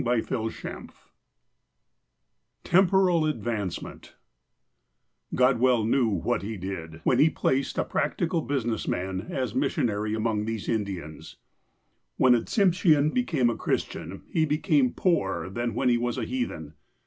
XXIII TEMPORAL ADVANCEMENT GOD well knew what He did, when He placed a practical business man as missionary among these Indians. When a Tsimshean became a Christian, he became poorer than when he was a heathen.